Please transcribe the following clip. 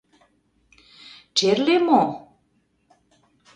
— Черле мо?